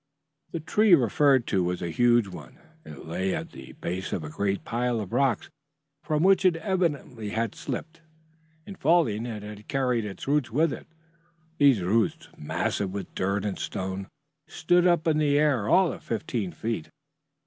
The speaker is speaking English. The tree referred to was a huge one. It lay at the base of a great pile of rocks, from which it evidently had slipped. In falling it had carried its roots with it. These roots, massed with dirt and stone, stood up in the air all of fifteen feet.